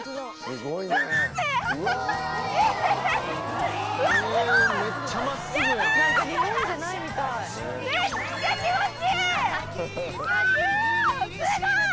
すごい！